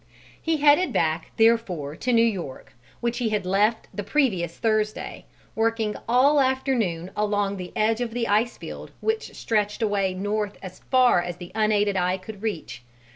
He headed back therefore to New York, which he had left the previous Thursday, working all afternoon along the edge of the ice field which stretched away north as far as the unaided eye could reach.